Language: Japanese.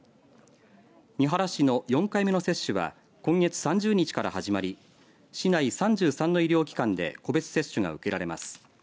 三原市の４回目の接種は今月３０日から始まり市内３３の医療機関で個別接種が受けられます。